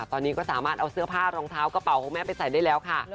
ตอนนี้ก็สามารถเอาเสื้อผ้ารองเท้ากระเป๋าของแม่ไปใส่ได้แล้วค่ะ